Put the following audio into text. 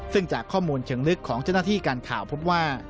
ซึ่งจากข้อมูลเชิงลึกของเจ้าหน้าที่การข่าวพบว่า